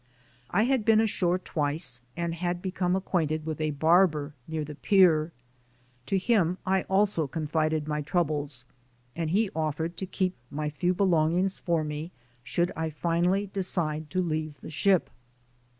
I had been ashore twice and had become acquainted with a barber near the pier. To him I also confided my troubles, and he offered to keep my few belongings for me, should I finally de cide to leave the ship.